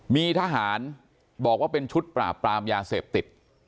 มีทหารบอกว่าเป็นชุดปราบปรามยาเสพติด